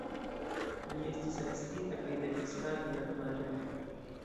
Li estis arestita kaj devis pagi la damaĝojn.